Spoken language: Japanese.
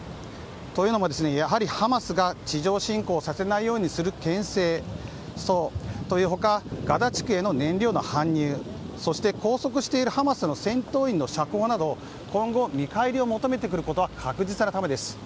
というのも、やはりハマスが地上侵攻をさせないようにする牽制の他ガザ地区への燃料の搬入拘束しているハマスの戦闘員の釈放など今後、見返りを求めてくることは確実なためです。